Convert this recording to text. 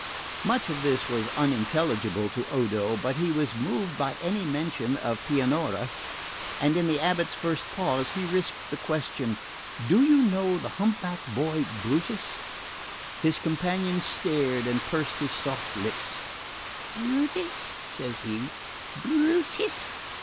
Much of this was unintelligible to Odo; but he was moved by any mention of Pianura, and in the abate's first pause he risked the question "Do you know the hump backed boy Brutus?" His companion stared and pursed his soft lips. "Brutus?" says he. "Brutus?